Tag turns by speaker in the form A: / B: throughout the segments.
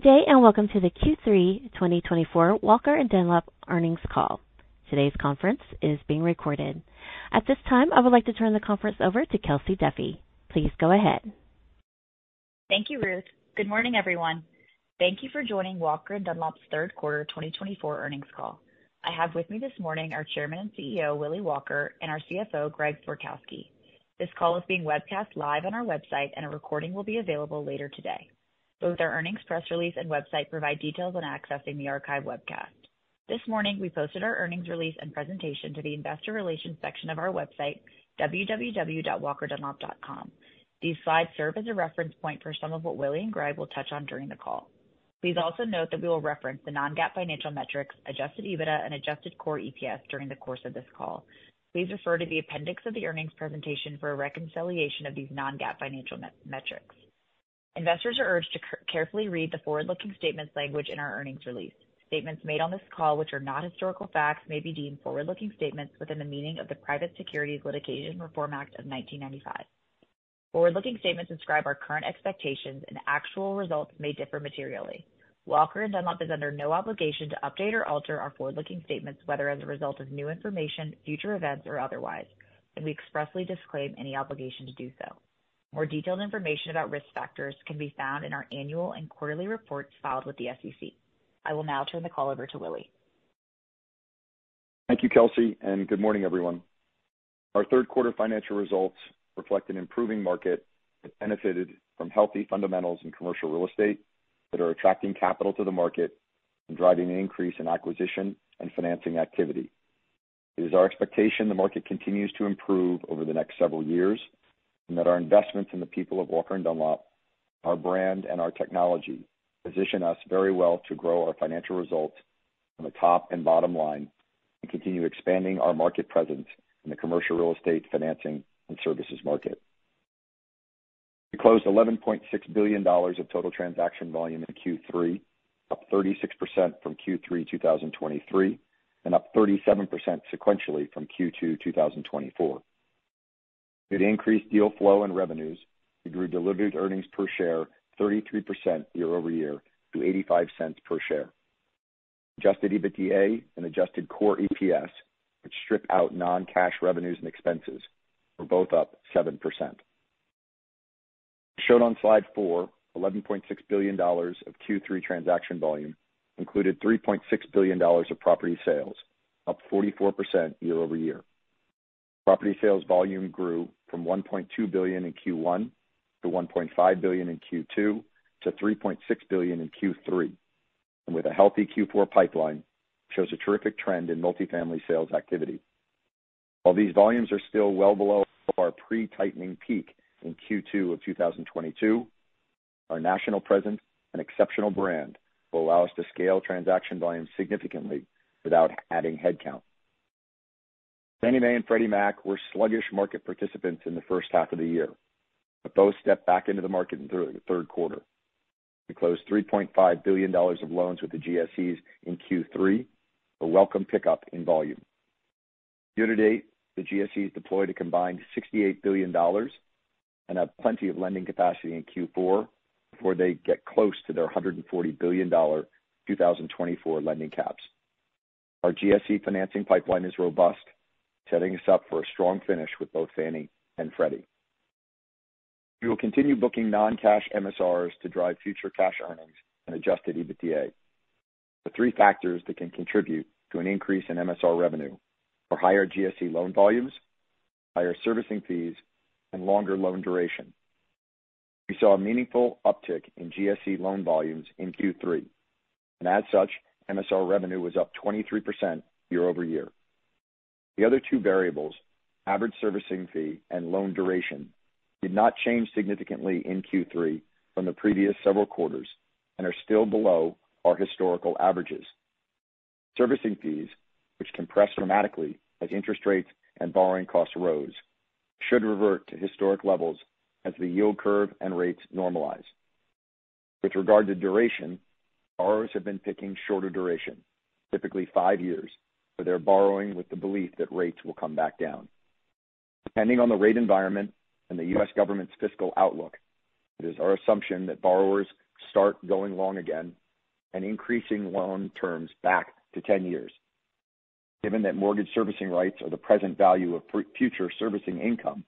A: Good day and welcome to the Q3 2024 Walker & Dunlop Earnings Call. Today's conference is being recorded. At this time, I would like to turn the conference over to Kelsey Duffey. Please go ahead.
B: Thank you, Ruth. Good morning, everyone. Thank you for joining Walker & Dunlop's third quarter 2024 earnings call. I have with me this morning our Chairman and CEO, Willy Walker, and our CFO, Greg Florkowski. This call is being webcast live on our website, and a recording will be available later today. Both our earnings press release and website provide details on accessing the archived webcast. This morning, we posted our earnings release and presentation to the investor relations section of our website, www.walkeranddunlop.com. These slides serve as a reference point for some of what Willy and Greg will touch on during the call. Please also note that we will reference the non-GAAP financial metrics, Adjusted EBITDA, and adjusted core EPS during the course of this call. Please refer to the appendix of the earnings presentation for a reconciliation of these non-GAAP financial metrics. Investors are urged to carefully read the forward-looking statements language in our earnings release. Statements made on this call, which are not historical facts, may be deemed forward-looking statements within the meaning of the Private Securities Litigation Reform Act of 1995. Forward-looking statements describe our current expectations, and actual results may differ materially. Walker & Dunlop is under no obligation to update or alter our forward-looking statements, whether as a result of new information, future events, or otherwise, and we expressly disclaim any obligation to do so. More detailed information about risk factors can be found in our annual and quarterly reports filed with the SEC. I will now turn the call over to Willy.
C: Thank you, Kelsey, and good morning, everyone. Our third quarter financial results reflect an improving market that benefited from healthy fundamentals in commercial real estate that are attracting capital to the market and driving an increase in acquisition and financing activity. It is our expectation the market continues to improve over the next several years and that our investments in the people of Walker & Dunlop, our brand, and our technology position us very well to grow our financial results from the top and bottom line and continue expanding our market presence in the commercial real estate financing and services market. We closed $11.6 billion of total transaction volume in Q3, up 36% from Q3 2023 and up 37% sequentially from Q2 2024. Due to increased deal flow and revenues, we grew delivered earnings per share 33% year-over-year to $0.85 per share. Adjusted EBITDA and adjusted core EPS, which strip out non-cash revenues and expenses, were both up 7%. As shown on slide four, $11.6 billion of Q3 transaction volume included $3.6 billion of property sales, up 44% year-over-year. Property sales volume grew from $1.2 billion in Q1 to $1.5 billion in Q2 to $3.6 billion in Q3, and with a healthy Q4 pipeline, shows a terrific trend in multifamily sales activity. While these volumes are still well below our pre-tightening peak in Q2 of 2022, our national presence and exceptional brand will allow us to scale transaction volume significantly without adding headcount. Fannie Mae and Freddie Mac were sluggish market participants in the first half of the year, but both stepped back into the market in the third quarter. We closed $3.5 billion of loans with the GSEs in Q3, a welcome pickup in volume. Year-to-date, the GSEs deployed a combined $68 billion and have plenty of lending capacity in Q4 before they get close to their $140 billion 2024 lending caps. Our GSE financing pipeline is robust, setting us up for a strong finish with both Fannie and Freddie. We will continue booking non-cash MSRs to drive future cash earnings and Adjusted EBITDA. The three factors that can contribute to an increase in MSR revenue are higher GSE loan volumes, higher servicing fees, and longer loan duration. We saw a meaningful uptick in GSE loan volumes in Q3, and as such, MSR revenue was up 23% year-over-year. The other two variables, average servicing fee and loan duration, did not change significantly in Q3 from the previous several quarters and are still below our historical averages. Servicing fees, which can compress dramatically as interest rates and borrowing costs rose, should revert to historic levels as the yield curve and rates normalize. With regard to duration, borrowers have been picking shorter duration, typically five years, for their borrowing with the belief that rates will come back down. Depending on the rate environment and the U.S. government's fiscal outlook, it is our assumption that borrowers start going long again and increasing loan terms back to 10 years. Given that mortgage servicing rights are the present value of future servicing income,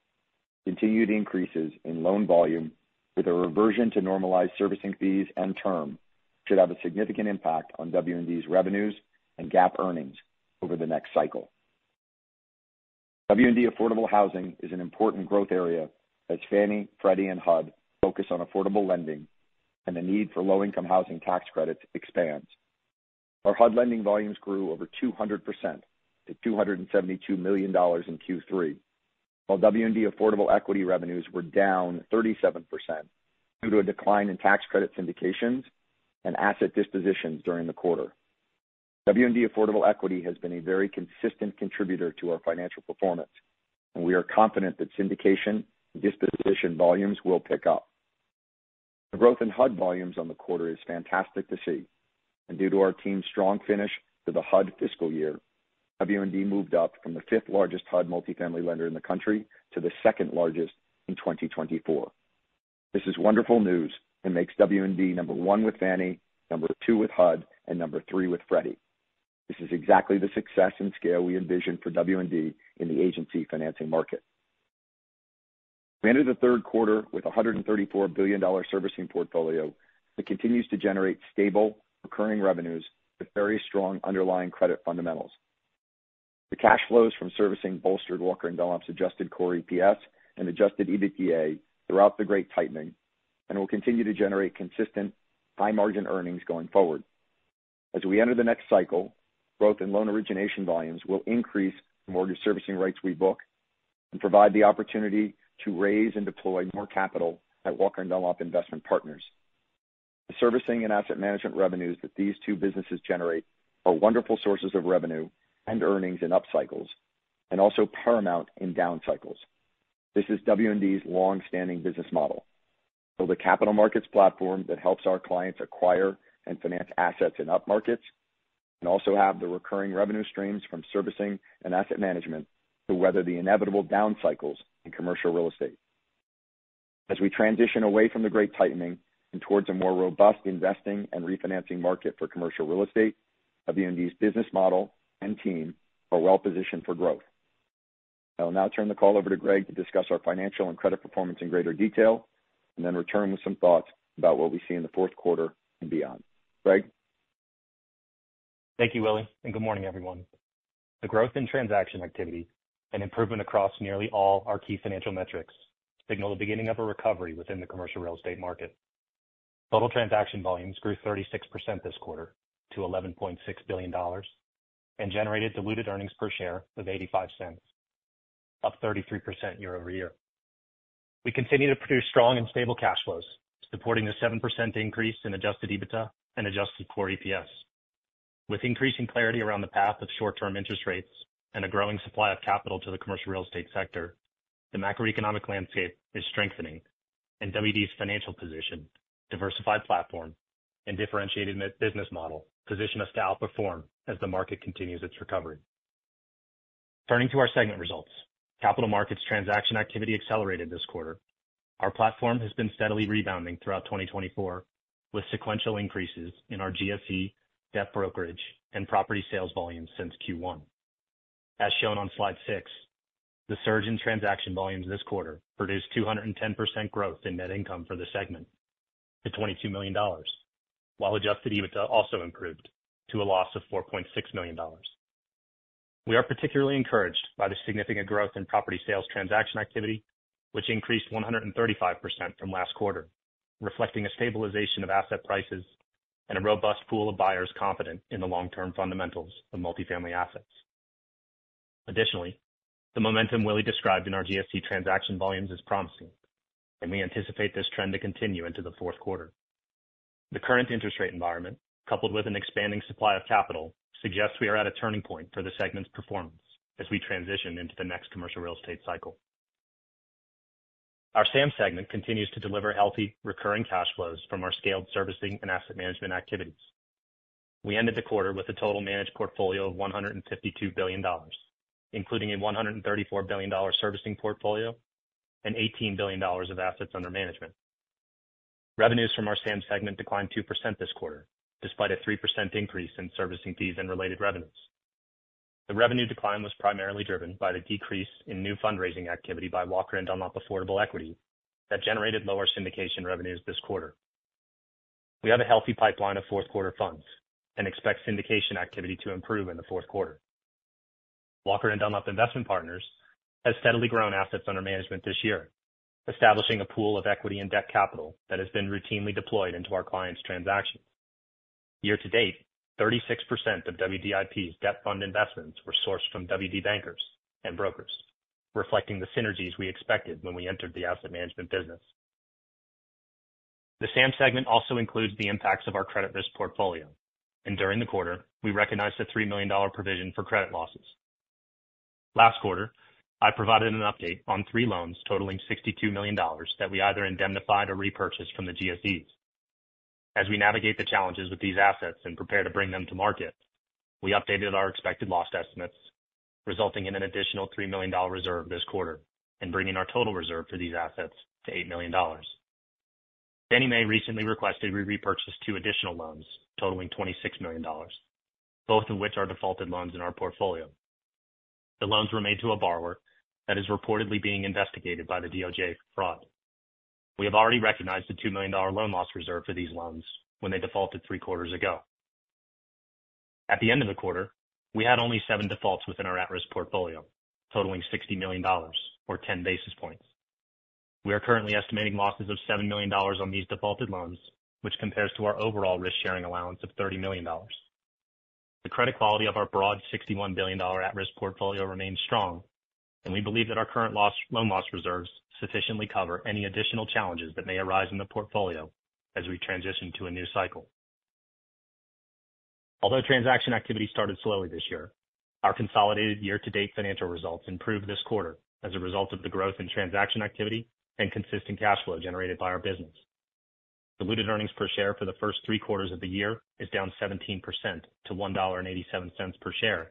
C: continued increases in loan volume with a reversion to normalized servicing fees and term should have a significant impact on W&D's revenues and GAAP earnings over the next cycle. W&D Affordable Housing is an important growth area as Fannie, Freddie, and HUD focus on affordable lending and the need for low-income housing tax credits expands. Our HUD lending volumes grew over 200% to $272 million in Q3, while W&D Affordable Equity revenues were down 37% due to a decline in tax credit syndications and asset dispositions during the quarter. W&D Affordable Equity has been a very consistent contributor to our financial performance, and we are confident that syndication and disposition volumes will pick up. The growth in HUD volumes on the quarter is fantastic to see, and due to our team's strong finish for the HUD fiscal year, W&D moved up from the fifth-largest HUD multifamily lender in the country to the second-largest in 2024. This is wonderful news and makes W&D number one with Fannie, number two with HUD, and number three with Freddie. This is exactly the success and scale we envision for W&D in the agency financing market. We entered the third quarter with a $134 billion servicing portfolio that continues to generate stable, recurring revenues with very strong underlying credit fundamentals. The cash flows from servicing bolstered Walker & Dunlop's adjusted core EPS and Adjusted EBITDA throughout the great tightening and will continue to generate consistent high-margin earnings going forward. As we enter the next cycle, growth in loan origination volumes will increase the mortgage servicing rights we book and provide the opportunity to raise and deploy more capital at Walker & Dunlop Investment Partners. The servicing and asset management revenues that these two businesses generate are wonderful sources of revenue and earnings in upcycles and also paramount in downcycles. This is W&D's long-standing business model. Build a capital markets platform that helps our clients acquire and finance assets in upmarkets and also have the recurring revenue streams from servicing and asset management to weather the inevitable downcycles in commercial real estate. As we transition away from the great tightening and towards a more robust investing and refinancing market for commercial real estate, W&D's business model and team are well-positioned for growth. I will now turn the call over to Greg to discuss our financial and credit performance in greater detail and then return with some thoughts about what we see in the fourth quarter and beyond. Greg?
D: Thank you, Willy, and good morning, everyone. The growth in transaction activity and improvement across nearly all our key financial metrics signal the beginning of a recovery within the commercial real estate market. Total transaction volume grew 36% this quarter to $11.6 billion and generated diluted earnings per share of $0.85, up 33% year-over-year. We continue to produce strong and stable cash flows, supporting the 7% increase in Adjusted EBITDA and adjusted core EPS. With increasing clarity around the path of short-term interest rates and a growing supply of capital to the commercial real estate sector, the macroeconomic landscape is strengthening, and W&D's financial position, diversified platform, and differentiated business model position us to outperform as the market continues its recovery. Turning to our segment results, capital markets transaction activity accelerated this quarter. Our platform has been steadily rebounding throughout 2024 with sequential increases in our GSE, debt brokerage, and property sales volumes since Q1. As shown on slide six, the surge in transaction volumes this quarter produced 210% growth in net income for the segment to $22 million, while Adjusted EBITDA also improved to a loss of $4.6 million. We are particularly encouraged by the significant growth in property sales transaction activity, which increased 135% from last quarter, reflecting a stabilization of asset prices and a robust pool of buyers confident in the long-term fundamentals of multifamily assets. Additionally, the momentum Willy described in our GSE transaction volumes is promising, and we anticipate this trend to continue into the fourth quarter. The current interest rate environment, coupled with an expanding supply of capital, suggests we are at a turning point for the segment's performance as we transition into the next commercial real estate cycle. Our SAM segment continues to deliver healthy, recurring cash flows from our scaled servicing and asset management activities. We ended the quarter with a total managed portfolio of $152 billion, including a $134 billion servicing portfolio and $18 billion of assets under management. Revenues from our SAM segment declined 2% this quarter, despite a 3% increase in servicing fees and related revenues. The revenue decline was primarily driven by the decrease in new fundraising activity by Walker & Dunlop Affordable Equity that generated lower syndication revenues this quarter. We have a healthy pipeline of fourth-quarter funds and expect syndication activity to improve in the fourth quarter. Walker & Dunlop Investment Partners has steadily grown assets under management this year, establishing a pool of equity and debt capital that has been routinely deployed into our clients' transactions. Year-to-date, 36% of WDIP's debt fund investments were sourced from WD Bankers and brokers, reflecting the synergies we expected when we entered the asset management business. The SAM segment also includes the impacts of our credit risk portfolio, and during the quarter, we recognized the $3 million provision for credit losses. Last quarter, I provided an update on three loans totaling $62 million that we either indemnified or repurchased from the GSEs. As we navigate the challenges with these assets and prepare to bring them to market, we updated our expected loss estimates, resulting in an additional $3 million reserve this quarter and bringing our total reserve for these assets to $8 million. Fannie Mae recently requested we repurchase two additional loans totaling $26 million, both of which are defaulted loans in our portfolio. The loans were made to a borrower that is reportedly being investigated by the DOJ for fraud. We have already recognized the $2 million loan loss reserve for these loans when they defaulted three quarters ago. At the end of the quarter, we had only seven defaults within our at-risk portfolio, totaling $60 million, or 10 basis points. We are currently estimating losses of $7 million on these defaulted loans, which compares to our overall risk-sharing allowance of $30 million. The credit quality of our broad $61 billion at-risk portfolio remains strong, and we believe that our current loan loss reserves sufficiently cover any additional challenges that may arise in the portfolio as we transition to a new cycle. Although transaction activity started slowly this year, our consolidated year-to-date financial results improved this quarter as a result of the growth in transaction activity and consistent cash flow generated by our business. Diluted earnings per share for the first three quarters of the year is down 17% to $1.87 per share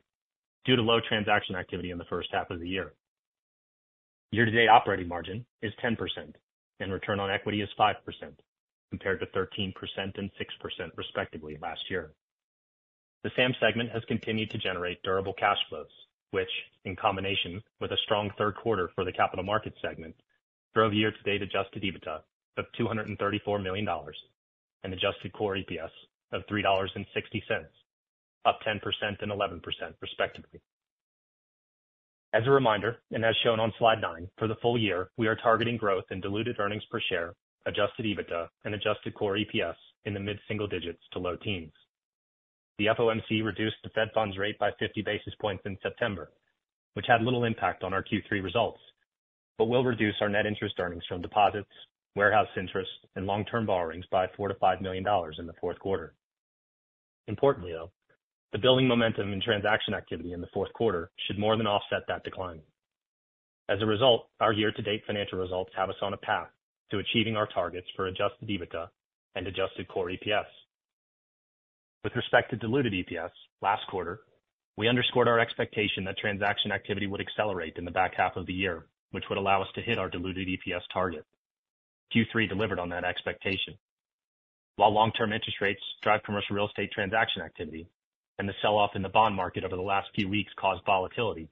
D: due to low transaction activity in the first half of the year. Year-to-date operating margin is 10%, and return on equity is 5%, compared to 13% and 6%, respectively, last year. The SAM segment has continued to generate durable cash flows, which, in combination with a strong third quarter for the capital markets segment, drove year-to-date Adjusted EBITDA of $234 million and adjusted core EPS of $3.60, up 10% and 11%, respectively. As a reminder, and as shown on slide nine, for the full year, we are targeting growth in diluted earnings per share, Adjusted EBITDA, and adjusted core EPS in the mid-single digits to low teens. The FOMC reduced the Fed funds rate by 50 basis points in September, which had little impact on our Q3 results, but will reduce our net interest earnings from deposits, warehouse interest, and long-term borrowings by $4 million-$5 million in the fourth quarter. Importantly, though, the building momentum in transaction activity in the fourth quarter should more than offset that decline. As a result, our year-to-date financial results have us on a path to achieving our targets for Adjusted EBITDA and adjusted core EPS. With respect to diluted EPS last quarter, we underscored our expectation that transaction activity would accelerate in the back half of the year, which would allow us to hit our diluted EPS target. Q3 delivered on that expectation. While long-term interest rates drive commercial real estate transaction activity and the sell-off in the bond market over the last few weeks caused volatility,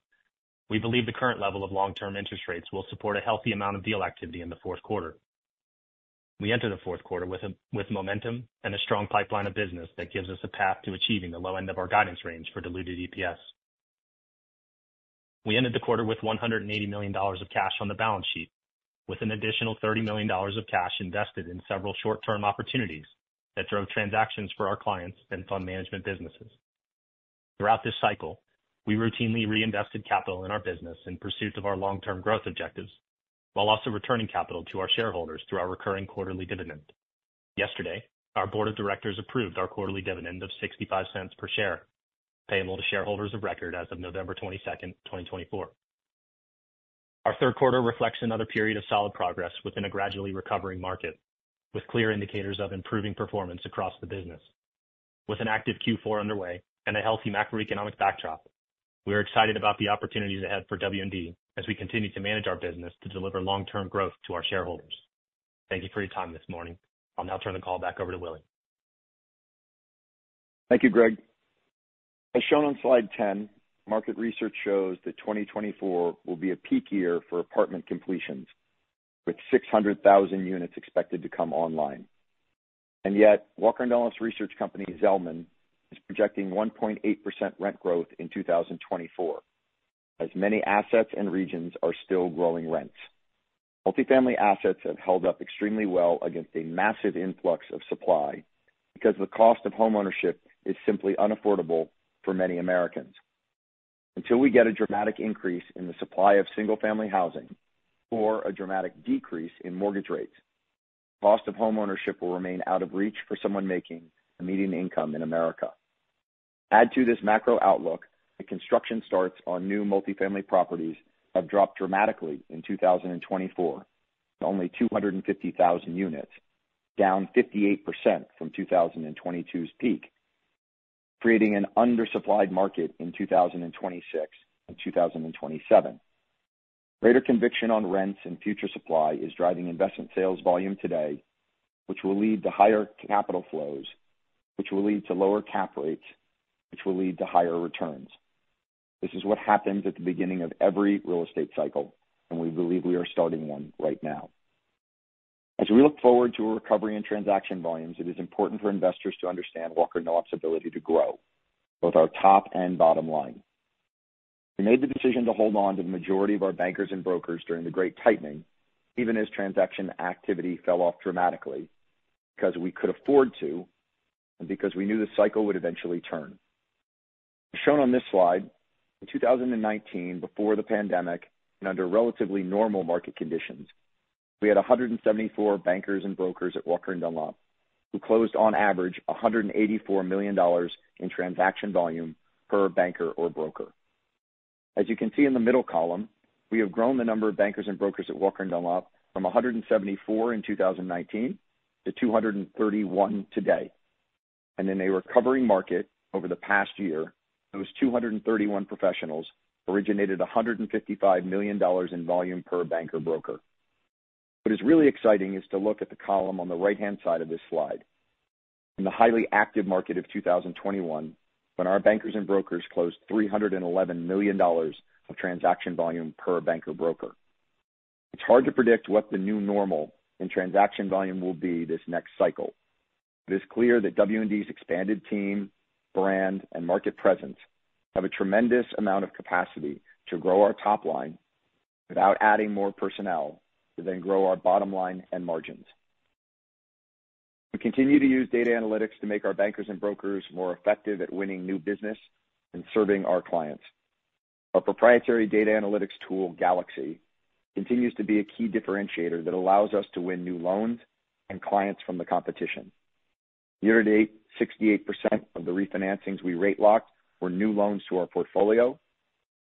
D: we believe the current level of long-term interest rates will support a healthy amount of deal activity in the fourth quarter. We entered the fourth quarter with momentum and a strong pipeline of business that gives us a path to achieving the low end of our guidance range for diluted EPS. We ended the quarter with $180 million of cash on the balance sheet, with an additional $30 million of cash invested in several short-term opportunities that drove transactions for our clients and fund management businesses. Throughout this cycle, we routinely reinvested capital in our business in pursuit of our long-term growth objectives, while also returning capital to our shareholders through our recurring quarterly dividend. Yesterday, our board of directors approved our quarterly dividend of $0.65 per share, payable to shareholders of record as of November 22nd, 2024. Our third quarter reflects another period of solid progress within a gradually recovering market, with clear indicators of improving performance across the business. With an active Q4 underway and a healthy macroeconomic backdrop, we are excited about the opportunities ahead for W&D as we continue to manage our business to deliver long-term growth to our shareholders. Thank you for your time this morning. I'll now turn the call back over to Willy.
C: Thank you, Greg. As shown on slide 10, market research shows that 2024 will be a peak year for apartment completions, with 600,000 units expected to come online. And yet, Walker & Dunlop's research company, Zelman, is projecting 1.8% rent growth in 2024, as many assets and regions are still growing rents. Multifamily assets have held up extremely well against a massive influx of supply because the cost of homeownership is simply unaffordable for many Americans. Until we get a dramatic increase in the supply of single-family housing or a dramatic decrease in mortgage rates, the cost of homeownership will remain out of reach for someone making a median income in America. Add to this macro outlook that construction starts on new multifamily properties have dropped dramatically in 2024 to only 250,000 units, down 58% from 2022's peak, creating an undersupplied market in 2026 and 2027. Greater conviction on rents and future supply is driving investment sales volume today, which will lead to higher capital flows, which will lead to lower cap rates, which will lead to higher returns. This is what happens at the beginning of every real estate cycle, and we believe we are starting one right now. As we look forward to a recovery in transaction volumes, it is important for investors to understand Walker & Dunlop's ability to grow, both our top and bottom line. We made the decision to hold on to the majority of our bankers and brokers during the great tightening, even as transaction activity fell off dramatically, because we could afford to and because we knew the cycle would eventually turn. As shown on this slide, in 2019, before the pandemic and under relatively normal market conditions, we had 174 bankers and brokers at Walker & Dunlop who closed on average $184 million in transaction volume per banker or broker. As you can see in the middle column, we have grown the number of bankers and brokers at Walker & Dunlop from 174 in 2019 to 231 today. In a recovering market over the past year, those 231 professionals originated $155 million in volume per banker broker. What is really exciting is to look at the column on the right-hand side of this slide. In the highly active market of 2021, when our bankers and brokers closed $311 million of transaction volume per banker broker, it's hard to predict what the new normal in transaction volume will be this next cycle. It is clear that W&D's expanded team, brand, and market presence have a tremendous amount of capacity to grow our top line without adding more personnel to then grow our bottom line and margins. We continue to use data analytics to make our bankers and brokers more effective at winning new business and serving our clients. Our proprietary data analytics tool, Galaxy, continues to be a key differentiator that allows us to win new loans and clients from the competition. Year-to-date, 68% of the refinancings we rate-locked were new loans to our portfolio,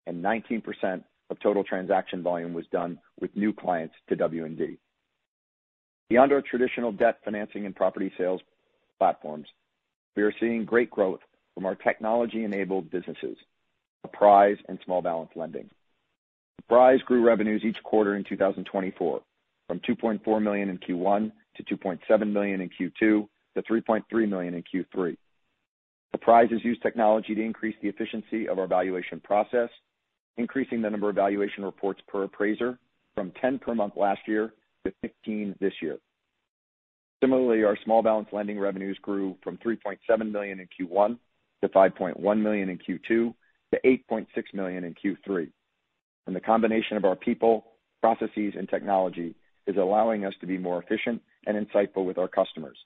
C: and 19% of total transaction volume was done with new clients to W&D. Beyond our traditional debt financing and property sales platforms, we are seeing great growth from our technology-enabled businesses, Apprise, and small balance lending. Apprise grew revenues each quarter in 2024 from $2.4 million in Q1 to $2.7 million in Q2 to $3.3 million in Q3, and Apprise has used technology to increase the efficiency of our valuation process, increasing the number of valuation reports per appraiser from 10 per month last year to 15 this year. Similarly, our small balance lending revenues grew from $3.7 million in Q1 to $5.1 million in Q2 to $8.6 million in Q3. The combination of our people, processes, and technology is allowing us to be more efficient and insightful with our customers.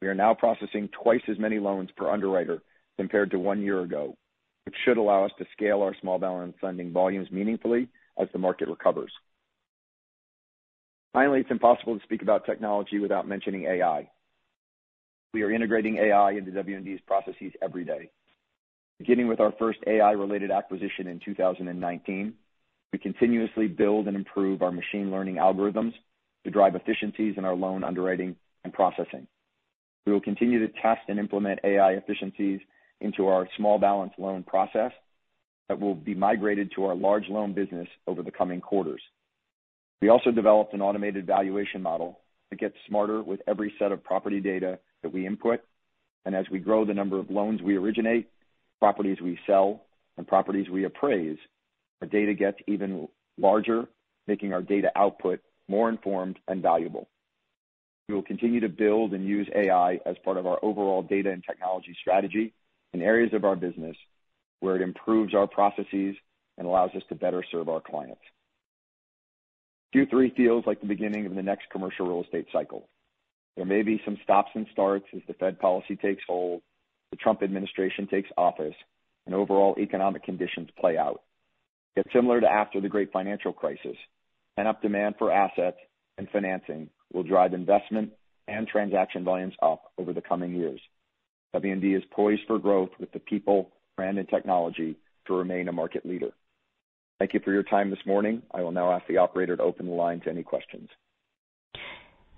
C: We are now processing twice as many loans per underwriter compared to one year ago, which should allow us to scale our small balance lending volumes meaningfully as the market recovers. Finally, it's impossible to speak about technology without mentioning AI. We are integrating AI into W&D's processes every day. Beginning with our first AI-related acquisition in 2019, we continuously build and improve our machine learning algorithms to drive efficiencies in our loan underwriting and processing. We will continue to test and implement AI efficiencies into our small balance loan process that will be migrated to our large loan business over the coming quarters. We also developed an automated valuation model that gets smarter with every set of property data that we input, and as we grow the number of loans we originate, properties we sell, and properties we appraise, our data gets even larger, making our data output more informed and valuable. We will continue to build and use AI as part of our overall data and technology strategy in areas of our business where it improves our processes and allows us to better serve our clients. Q3 feels like the beginning of the next commercial real estate cycle. There may be some stops and starts as the Fed policy takes hold, the Trump administration takes office, and overall economic conditions play out. It's similar to after the Great Financial Crisis, and up demand for assets and financing will drive investment and transaction volumes up over the coming years. W&D is poised for growth with the people, brand, and technology to remain a market leader. Thank you for your time this morning. I will now ask the operator to open the line to any questions.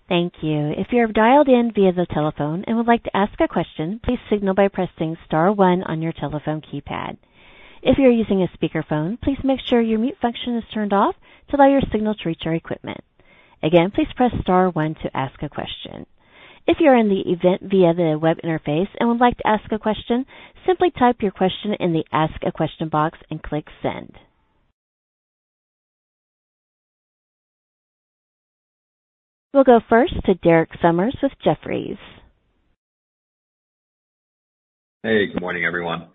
A: Thank you. If you're dialed in via the telephone and would like to ask a question, please signal by pressing star one on your telephone keypad. If you're using a speakerphone, please make sure your mute function is turned off to allow your signal to reach your equipment. Again, please press star one to ask a question. If you're in the event via the web interface and would like to ask a question, simply type your question in the ask a question box and click send. We'll go first to Derek Sommers with Jefferies.
E: Hey, good morning, everyone.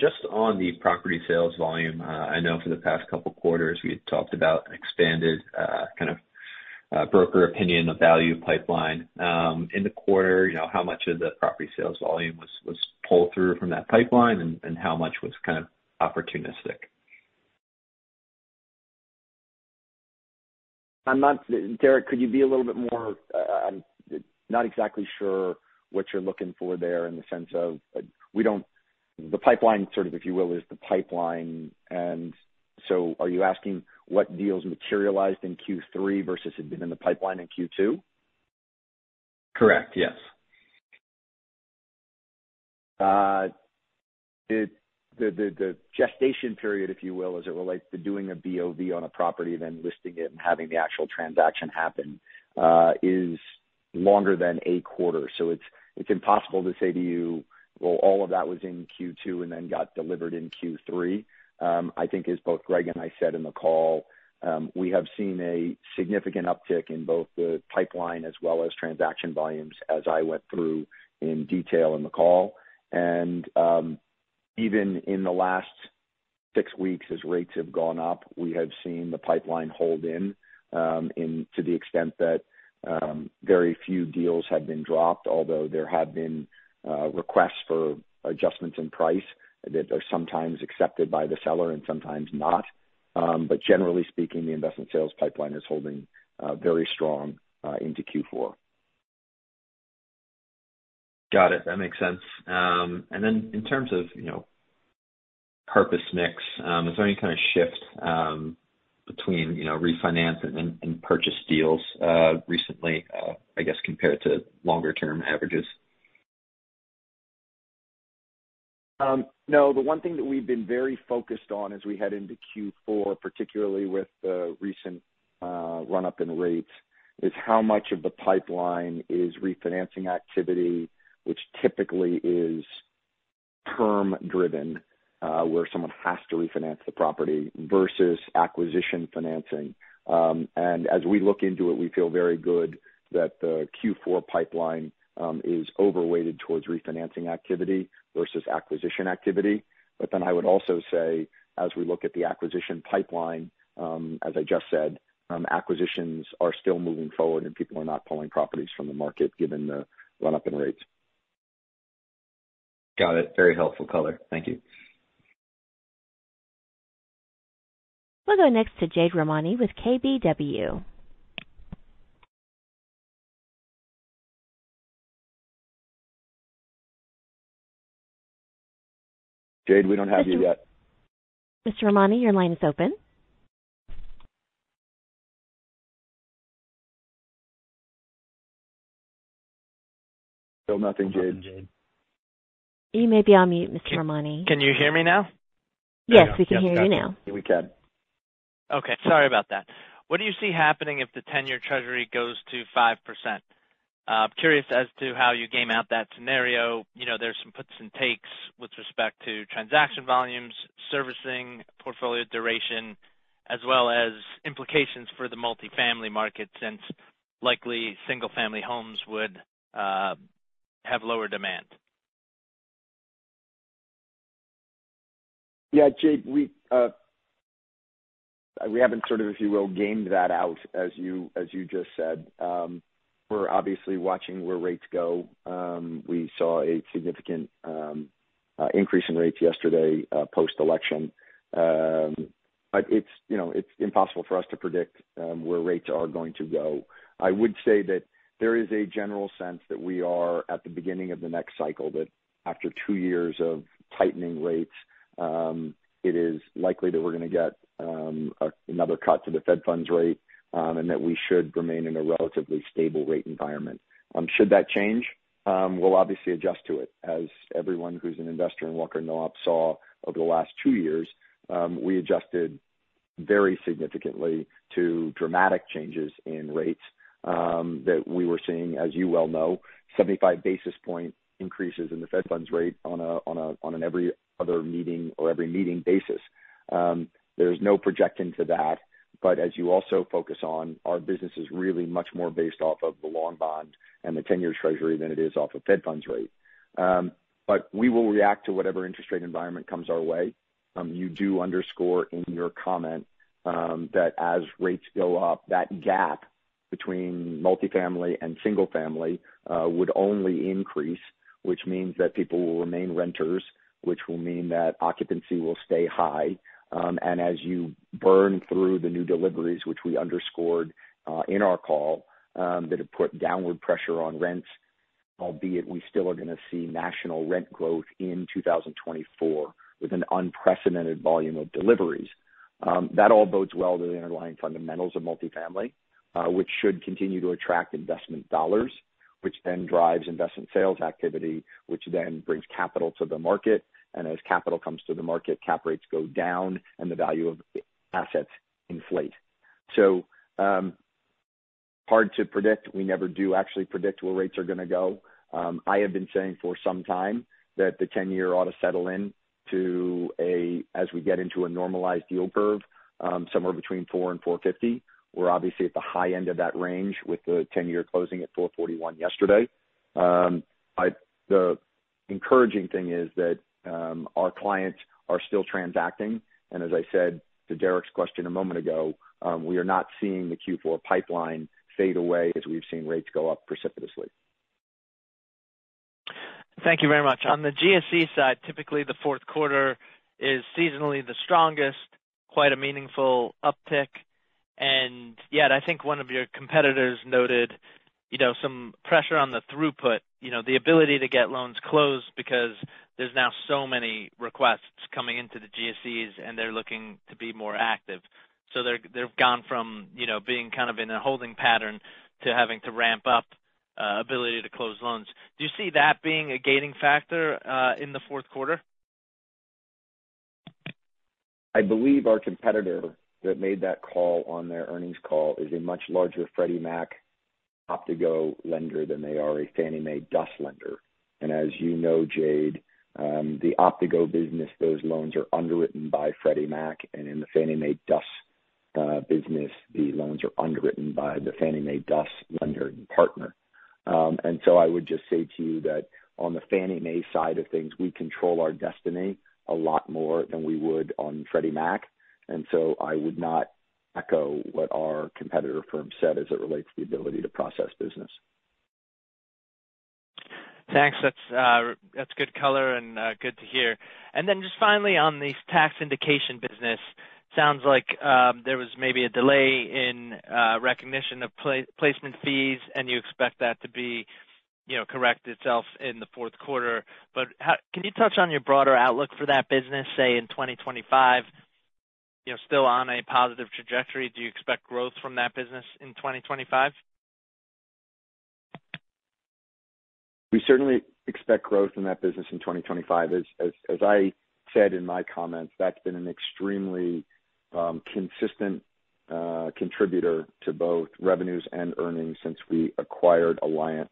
E: Just on the property sales volume, I know for the past couple of quarters we had talked about an expanded kind of Broker Opinion of Value pipeline. In the quarter, how much of the property sales volume was pulled through from that pipeline and how much was kind of opportunistic?
C: I'm not sure, Derek, could you be a little bit more? I'm not exactly sure what you're looking for there in the sense of the pipeline sort of, if you will, is the pipeline. And so are you asking what deals materialized in Q3 versus had been in the pipeline in Q2?
E: Correct, yes.
C: The gestation period, if you will, as it relates to doing a BOV on a property, then listing it and having the actual transaction happen is longer than a quarter. So it's impossible to say to you, well, all of that was in Q2 and then got delivered in Q3. I think, as both Greg and I said in the call, we have seen a significant uptick in both the pipeline as well as transaction volumes, as I went through in detail in the call, and even in the last six weeks, as rates have gone up, we have seen the pipeline hold in to the extent that very few deals have been dropped, although there have been requests for adjustments in price that are sometimes accepted by the seller and sometimes not, but generally speaking, the investment sales pipeline is holding very strong into Q4.
E: Got it. That makes sense. And then in terms of purpose mix, is there any kind of shift between refinance and purchase deals recently, I guess, compared to longer-term averages?
C: No. The one thing that we've been very focused on as we head into Q4, particularly with the recent run-up in rates, is how much of the pipeline is refinancing activity, which typically is term-driven, where someone has to refinance the property versus acquisition financing, and as we look into it, we feel very good that the Q4 pipeline is overweighted towards refinancing activity versus acquisition activity, but then I would also say, as we look at the acquisition pipeline, as I just said, acquisitions are still moving forward, and people are not pulling properties from the market given the run-up in rates.
E: Got it. Very helpful color. Thank you.
A: We'll go next to Jade Rahmani with KBW.
C: Jade, we don't have you yet.
A: Mr. Rahmani, your line is open.
C: Still nothing, Jade.
A: You may be on mute, Mr. Rahmani.
F: Can you hear me now?
A: Yes, we can hear you now.
C: We can.
F: Okay. Sorry about that. What do you see happening if the 10-year Treasury goes to 5%? I'm curious as to how you game out that scenario. There's some puts and takes with respect to transaction volumes, servicing, portfolio duration, as well as implications for the multifamily market since likely single-family homes would have lower demand.
C: Yeah, Jade, we haven't sort of, if you will, gamed that out, as you just said. We're obviously watching where rates go. We saw a significant increase in rates yesterday post-election. But it's impossible for us to predict where rates are going to go. I would say that there is a general sense that we are at the beginning of the next cycle, that after two years of tightening rates, it is likely that we're going to get another cut to the Fed funds rate and that we should remain in a relatively stable rate environment. Should that change, we'll obviously adjust to it. As everyone who's an investor in Walker & Dunlop saw over the last two years, we adjusted very significantly to dramatic changes in rates that we were seeing, as you well know, 75 basis point increases in the Fed funds rate on an every other meeting or every meeting basis. There's no projecting to that. But as you also focus on, our business is really much more based off of the long bond and the 10-year Treasury than it is off of Fed funds rate. But we will react to whatever interest rate environment comes our way. You do underscore in your comment that as rates go up, that gap between multifamily and single-family would only increase, which means that people will remain renters, which will mean that occupancy will stay high. As you burn through the new deliveries, which we underscored in our call, that have put downward pressure on rents, albeit we still are going to see national rent growth in 2024 with an unprecedented volume of deliveries. That all bodes well to the underlying fundamentals of multifamily, which should continue to attract investment dollars, which then drives investment sales activity, which then brings capital to the market. As capital comes to the market, cap rates go down and the value of assets inflate. Hard to predict. We never do actually predict where rates are going to go. I have been saying for some time that the 10-year ought to settle in to a, as we get into a normalized yield curve, somewhere between 4 and 4.50. We're obviously at the high end of that range with the 10-year closing at 4.41 yesterday. But the encouraging thing is that our clients are still transacting. And as I said to Derek's question a moment ago, we are not seeing the Q4 pipeline fade away as we've seen rates go up precipitously.
F: Thank you very much. On the GSE side, typically the fourth quarter is seasonally the strongest, quite a meaningful uptick. And yeah, I think one of your competitors noted some pressure on the throughput, the ability to get loans closed because there's now so many requests coming into the GSEs and they're looking to be more active. So they've gone from being kind of in a holding pattern to having to ramp up ability to close loans. Do you see that being a gating factor in the fourth quarter?
C: I believe our competitor that made that call on their earnings call is a much larger Freddie Mac OptiGo lender than they are a Fannie Mae DUS lender. As you know, Jade, the OptiGo business, those loans are underwritten by Freddie Mac. In the Fannie Mae DUS business, the loans are underwritten by the Fannie Mae DUS lender and partner. So I would just say to you that on the Fannie Mae side of things, we control our destiny a lot more than we would on Freddie Mac. I would not echo what our competitor firm said as it relates to the ability to process business.
F: Thanks. That's good color and good to hear. And then just finally on the tax incentive business, sounds like there was maybe a delay in recognition of placement fees and you expect that to be correct itself in the fourth quarter. But can you touch on your broader outlook for that business, say in 2025? Still on a positive trajectory, do you expect growth from that business in 2025?
C: We certainly expect growth in that business in 2025. As I said in my comments, that's been an extremely consistent contributor to both revenues and earnings since we acquired Alliant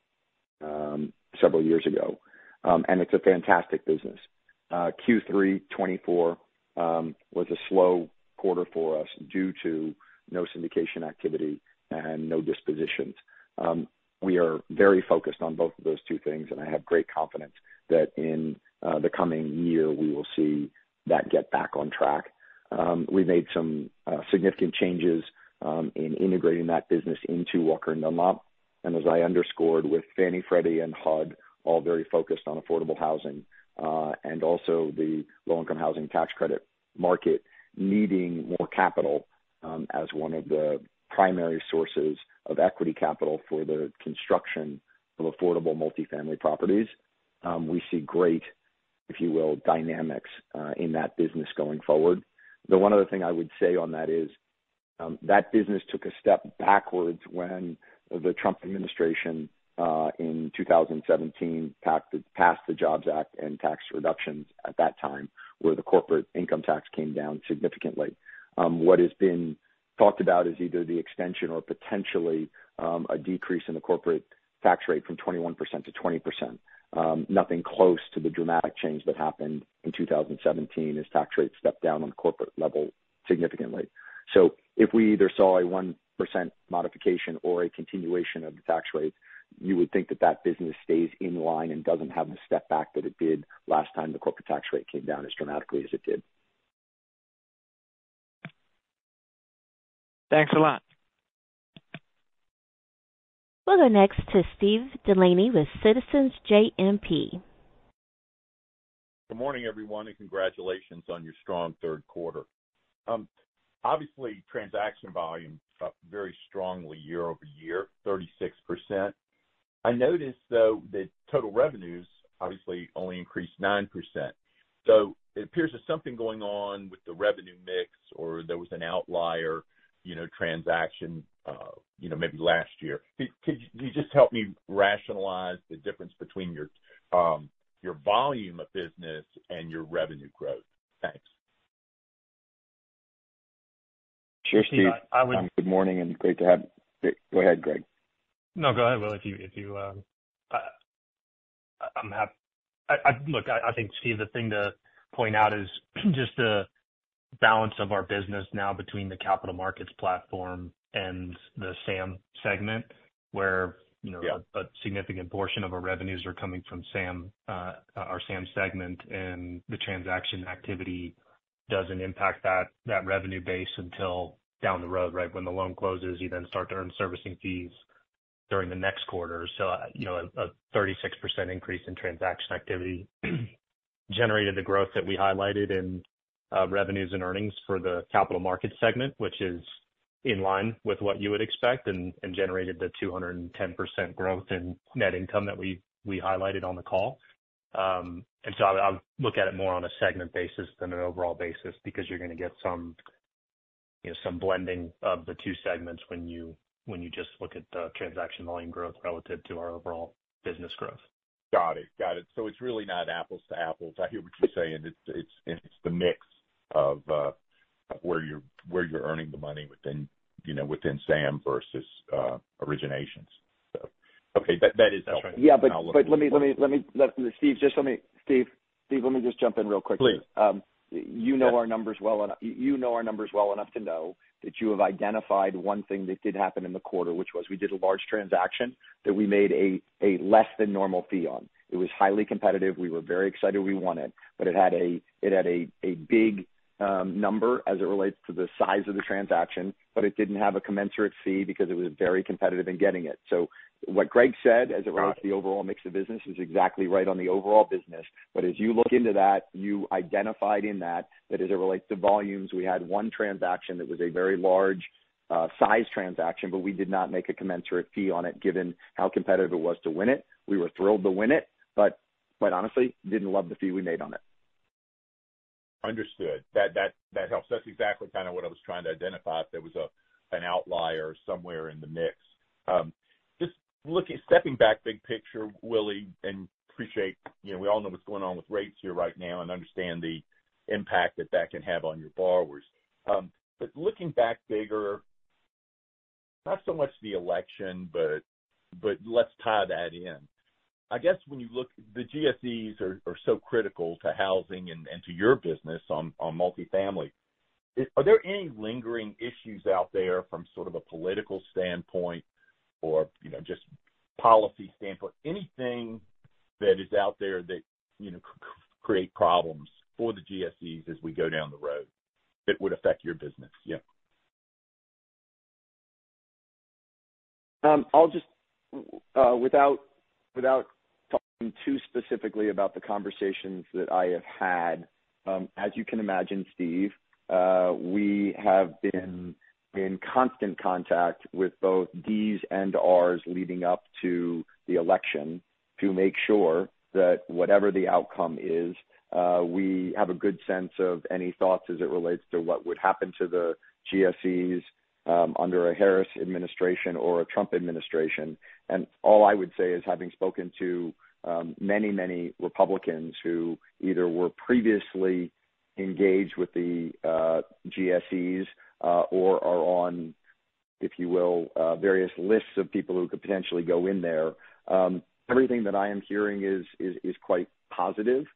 C: several years ago. And it's a fantastic business. Q3 2024 was a slow quarter for us due to no syndication activity and no dispositions. We are very focused on both of those two things, and I have great confidence that in the coming year, we will see that get back on track. We made some significant changes in integrating that business into Walker & Dunlop. And as I underscored with Fannie, Freddie, and HUD, all very focused on affordable housing and also the low-income housing tax credit market needing more capital as one of the primary sources of equity capital for the construction of affordable multifamily properties. We see great, if you will, dynamics in that business going forward. The one other thing I would say on that is that business took a step backwards when the Trump administration in 2017 passed the Jobs Act and tax reductions at that time where the corporate income tax came down significantly. What has been talked about is either the extension or potentially a decrease in the corporate tax rate from 21%-20%. Nothing close to the dramatic change that happened in 2017 as tax rates stepped down on the corporate level significantly. So if we either saw a 1% modification or a continuation of the tax rates, you would think that that business stays in line and doesn't have the step back that it did last time the corporate tax rate came down as dramatically as it did.
F: Thanks a lot.
A: We'll go next to Steve Delaney with Citizens JMP.
G: Good morning, everyone, and congratulations on your strong third quarter. Obviously, transaction volume up very strongly year-over-year, 36%. I noticed, though, that total revenues obviously only increased 9%. So it appears there's something going on with the revenue mix or there was an outlier transaction maybe last year. Could you just help me rationalize the difference between your volume of business and your revenue growth? Thanks.
C: Sure, Steve. Good morning and great to have you. Go ahead, Greg.
D: No, go ahead, Will. If you look, I think, Steve, the thing to point out is just the balance of our business now between the capital markets platform and the SAM segment, where a significant portion of our revenues are coming from SAM, our SAM segment, and the transaction activity doesn't impact that revenue base until down the road, right? When the loan closes, you then start to earn servicing fees during the next quarter. So a 36% increase in transaction activity generated the growth that we highlighted in revenues and earnings for the capital markets segment, which is in line with what you would expect and generated the 210% growth in net income that we highlighted on the call. And so I look at it more on a segment basis than an overall basis because you're going to get some blending of the two segments when you just look at the transaction volume growth relative to our overall business growth.
G: Got it. Got it. So it's really not apples to apples. I hear what you're saying. It's the mix of where you're earning the money within SAM versus originations. Okay. That is helpful.
C: Yeah, but let me just jump in real quick.
D: Okay.
C: You know our numbers well enough to know that you have identified one thing that did happen in the quarter, which was we did a large transaction that we made a less than normal fee on. It was highly competitive. We were very excited we won it, but it had a big number as it relates to the size of the transaction, but it didn't have a commensurate fee because it was very competitive in getting it. So what Greg said as it relates to the overall mix of business is exactly right on the overall business. But as you look into that, you identified in that that as it relates to volumes, we had one transaction that was a very large-sized transaction, but we did not make a commensurate fee on it given how competitive it was to win it. We were thrilled to win it, but honestly, didn't love the fee we made on it.
G: Understood. That helps. That's exactly kind of what I was trying to identify if there was an outlier somewhere in the mix. Just stepping back big picture, Willy, and appreciate we all know what's going on with rates here right now and understand the impact that that can have on your borrowers. But looking back bigger, not so much the election, but let's tie that in. I guess when you look, the GSEs are so critical to housing and to your business on multifamily. Are there any lingering issues out there from sort of a political standpoint or just policy standpoint? Anything that is out there that could create problems for the GSEs as we go down the road that would affect your business? Yeah.
C: Without talking too specifically about the conversations that I have had, as you can imagine, Steve, we have been in constant contact with both Ds and Rs leading up to the election to make sure that whatever the outcome is, we have a good sense of any thoughts as it relates to what would happen to the GSEs under a Harris administration or a Trump administration, and all I would say is having spoken to many, many Republicans who either were previously engaged with the GSEs or are on, if you will, various lists of people who could potentially go in there, everything that I am hearing is quite positive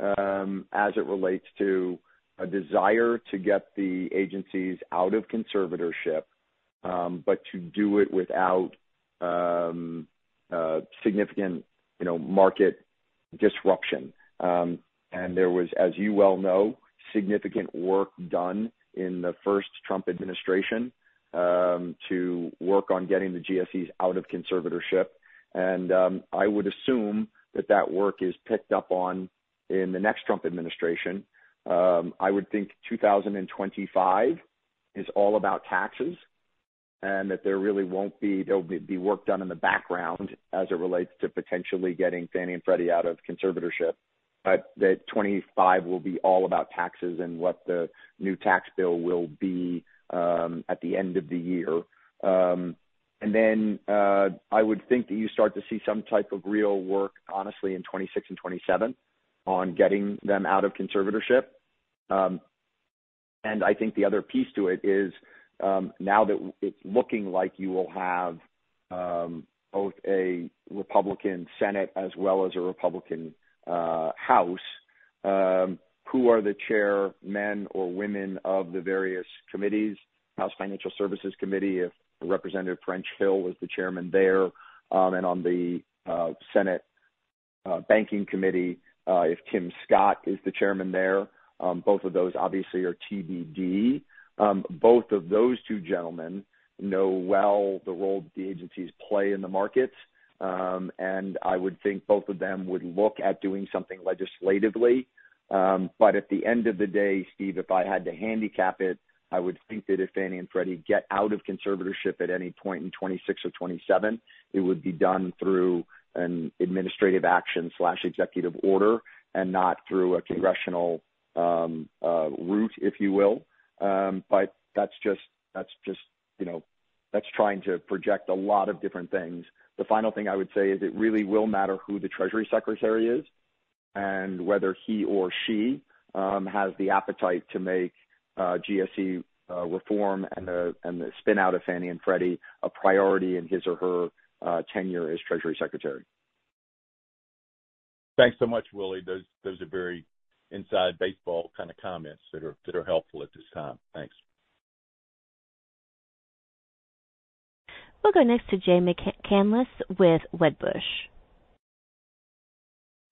C: as it relates to a desire to get the agencies out of conservatorship, but to do it without significant market disruption. And there was, as you well know, significant work done in the first Trump administration to work on getting the GSEs out of conservatorship. And I would assume that that work is picked up on in the next Trump administration. I would think 2025 is all about taxes and that there will be work done in the background as it relates to potentially getting Fannie and Freddie out of conservatorship, but that 2025 will be all about taxes and what the new tax bill will be at the end of the year. And then I would think that you start to see some type of real work, honestly, in 2026 and 2027 on getting them out of conservatorship. And I think the other piece to it is now that it's looking like you will have both a Republican Senate as well as a Republican House. Who are the chairmen or women of the various committees? House Financial Services Committee, if Representative French Hill was the chairman there, and on the Senate Banking Committee, if Tim Scott is the chairman there. Both of those obviously are TBD. Both of those two gentlemen know well the role the agencies play in the markets. And I would think both of them would look at doing something legislatively. But at the end of the day, Steve, if I had to handicap it, I would think that if Fannie and Freddie get out of conservatorship at any point in 2026 or 2027, it would be done through an administrative action or executive order and not through a congressional route, if you will. But that's just trying to project a lot of different things. The final thing I would say is it really will matter who the Treasury Secretary is and whether he or she has the appetite to make GSE reform and the spin-out of Fannie and Freddie a priority in his or her tenure as Treasury Secretary.
G: Thanks so much, Willy. Those are very inside baseball kind of comments that are helpful at this time. Thanks.
A: We'll go next to Jay McCanless with Wedbush.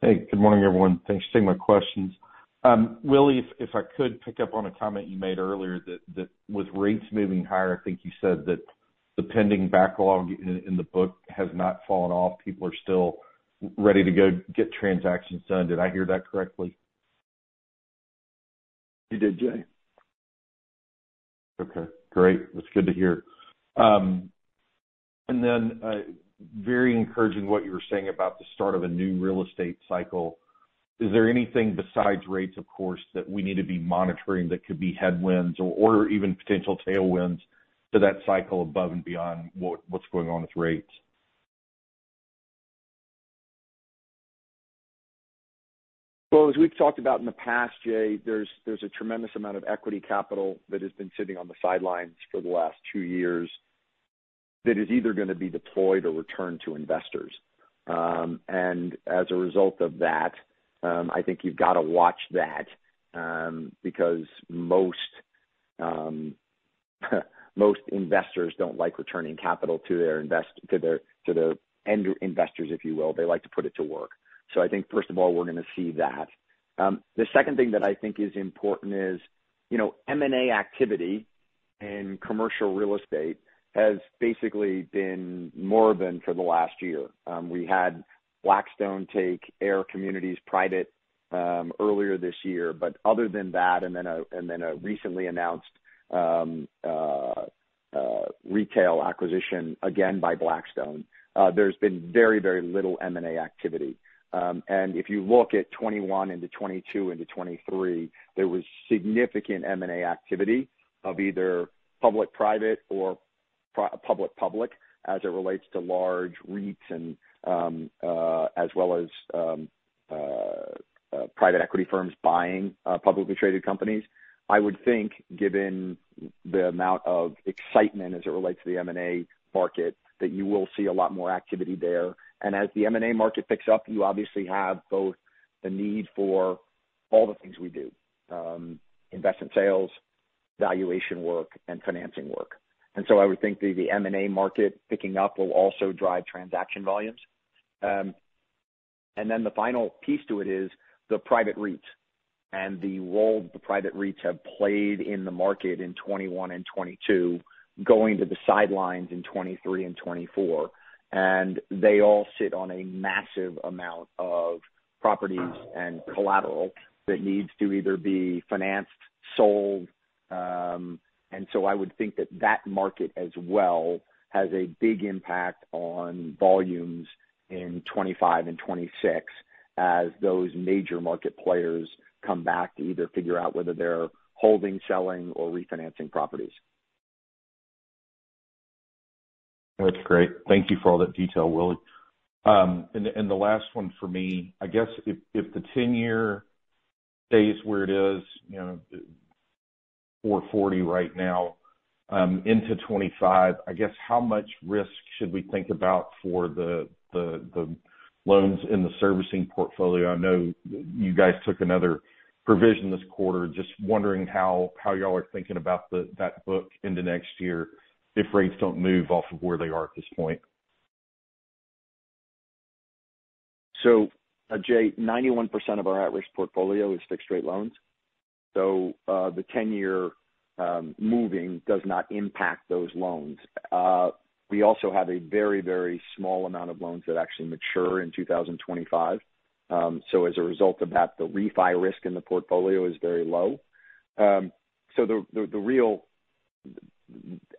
H: Hey, good morning, everyone. Thanks for taking my questions. Willy, if I could pick up on a comment you made earlier that with rates moving higher, I think you said that the pending backlog in the book has not fallen off. People are still ready to go get transactions done. Did I hear that correctly?
C: You did, Jay.
H: Okay. Great. That's good to hear. And then very encouraging what you were saying about the start of a new real estate cycle. Is there anything besides rates, of course, that we need to be monitoring that could be headwinds or even potential tailwinds to that cycle above and beyond what's going on with rates?
C: As we've talked about in the past, Jay, there's a tremendous amount of equity capital that has been sitting on the sidelines for the last two years that is either going to be deployed or returned to investors. As a result of that, I think you've got to watch that because most investors don't like returning capital to their end investors, if you will. They like to put it to work. I think, first of all, we're going to see that. The second thing that I think is important is M&A activity in commercial real estate has basically been moribund for the last year. We had Blackstone take AIR Communities private earlier this year, but other than that, and then a recently announced retail acquisition again by Blackstone, there's been very, very little M&A activity. And if you look at 2021 into 2022 into 2023, there was significant M&A activity of either public-private or public-public as it relates to large REITs and as well as private equity firms buying publicly traded companies. I would think, given the amount of excitement as it relates to the M&A market, that you will see a lot more activity there. And as the M&A market picks up, you obviously have both the need for all the things we do: investment sales, valuation work, and financing work. And so I would think the M&A market picking up will also drive transaction volumes. And then the final piece to it is the private REITs and the role the private REITs have played in the market in 2021 and 2022, going to the sidelines in 2023 and 2024. And they all sit on a massive amount of properties and collateral that needs to either be financed, sold. And so I would think that that market as well has a big impact on volumes in 2025 and 2026 as those major market players come back to either figure out whether they're holding, selling, or refinancing properties.
H: That's great. Thank you for all that detail, Willy, and the last one for me, I guess if the ten-year stays where it is, 440 right now, into 2025, I guess how much risk should we think about for the loans in the servicing portfolio? I know you guys took another provision this quarter. Just wondering how y'all are thinking about that book into next year if rates don't move off of where they are at this point.
C: Jay, 91% of our at-risk portfolio is fixed-rate loans. The ten-year moving does not impact those loans. We also have a very, very small amount of loans that actually mature in 2025. As a result of that, the refi risk in the portfolio is very low. The real,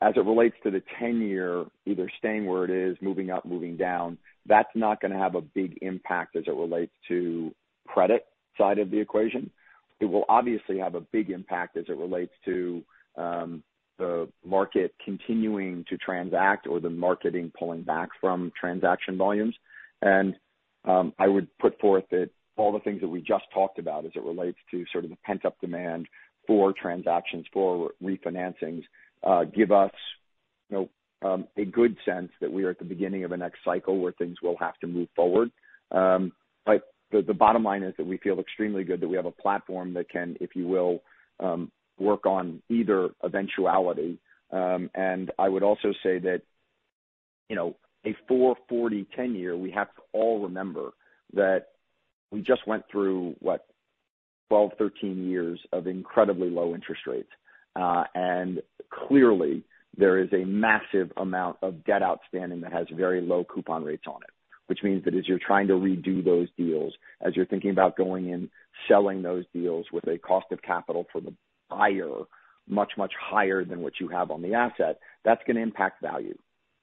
C: as it relates to the ten-year, either staying where it is, moving up, moving down, that's not going to have a big impact as it relates to the credit side of the equation. It will obviously have a big impact as it relates to the market continuing to transact or the market pulling back from transaction volumes. And I would put forth that all the things that we just talked about as it relates to sort of the pent-up demand for transactions, for refinancings, give us a good sense that we are at the beginning of a next cycle where things will have to move forward. But the bottom line is that we feel extremely good that we have a platform that can, if you will, work on either eventuality. And I would also say that a 4.40 10-year, we have to all remember that we just went through, what, 12, 13 years of incredibly low interest rates. Clearly, there is a massive amount of debt outstanding that has very low coupon rates on it, which means that as you're trying to redo those deals, as you're thinking about going and selling those deals with a cost of capital for the buyer much, much higher than what you have on the asset, that's going to impact value.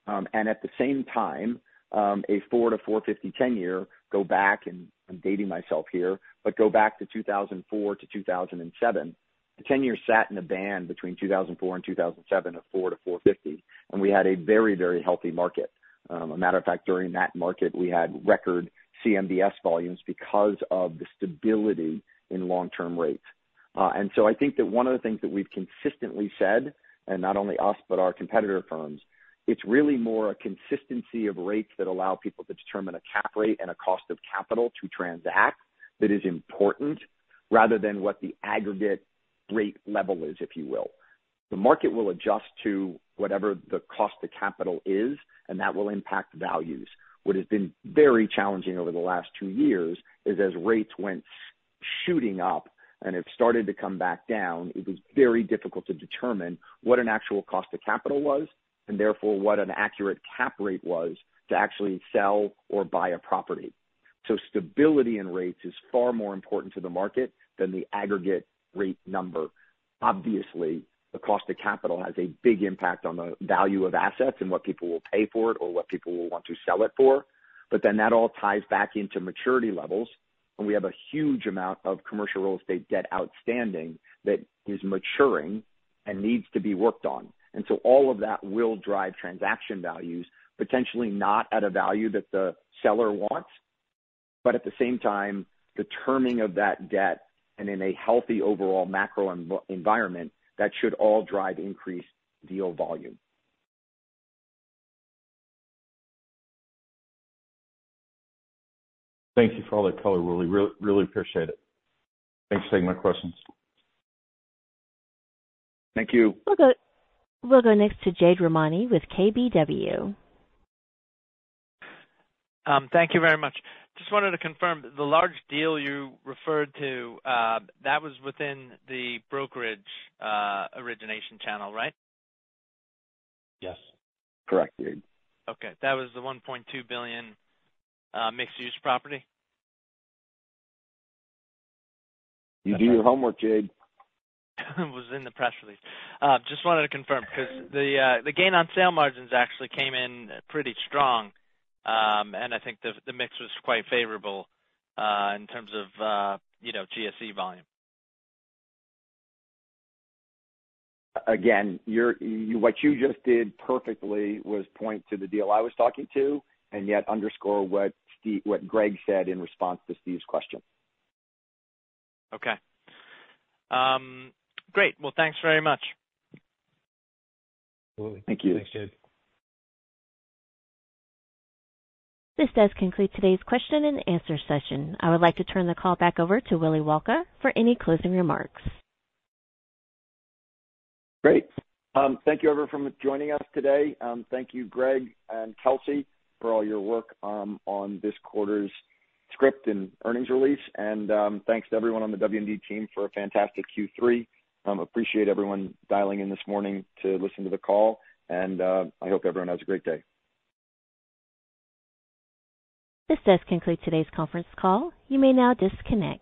C: And at the same time, a 4 to 4.50 ten-year. Go back, and I'm dating myself here, but go back to 2004 to 2007, the ten-year sat in a band between 2004 and 2007 of 4 to 4.50. And we had a very, very healthy market. As a matter of fact, during that market, we had record CMBS volumes because of the stability in long-term rates. I think that one of the things that we've consistently said, and not only us, but our competitor firms, it's really more a consistency of rates that allow people to determine a cap rate and a cost of capital to transact that is important rather than what the aggregate rate level is, if you will. The market will adjust to whatever the cost of capital is, and that will impact values. What has been very challenging over the last two years is as rates went shooting up and have started to come back down, it was very difficult to determine what an actual cost of capital was and therefore what an accurate cap rate was to actually sell or buy a property. Stability in rates is far more important to the market than the aggregate rate number. Obviously, the cost of capital has a big impact on the value of assets and what people will pay for it or what people will want to sell it for. But then that all ties back into maturity levels. And we have a huge amount of commercial real estate debt outstanding that is maturing and needs to be worked on. And so all of that will drive transaction values, potentially not at a value that the seller wants, but at the same time, the terming of that debt and in a healthy overall macro environment, that should all drive increased deal volume.
H: Thank you for all that color, Willy. Really appreciate it. Thanks for taking my questions.
C: Thank you.
A: We'll go next to Jade Rahmani with KBW.
F: Thank you very much. Just wanted to confirm the large deal you referred to, that was within the brokerage origination channel, right?
C: Yes. Correct, Jade.
F: Okay. That was the $1.2 billion mixed-use property?
C: You do your homework, Jade.
F: Was in the press release. Just wanted to confirm because the gain on sale margins actually came in pretty strong. And I think the mix was quite favorable in terms of GSE volume.
C: Again, what you just did perfectly was point to the deal I was talking to and yet underscore what Greg said in response to Steve's question.
F: Okay. Great. Thanks very much.
C: Thank you.
D: Thanks, Jade.
A: This does conclude today's question-and-answer session. I would like to turn the call back over to Willy Walker for any closing remarks.
C: Great. Thank you, everyone, for joining us today. Thank you, Greg and Kelsey, for all your work on this quarter's script and earnings release, and thanks to everyone on the W&D team for a fantastic Q3. Appreciate everyone dialing in this morning to listen to the call, and I hope everyone has a great day.
A: This does conclude today's conference call. You may now disconnect.